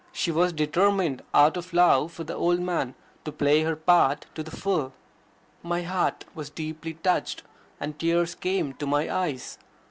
She was determined, out of love for the old man, to play her part to the full. My heart was deeply touched, and tears came to my eyes.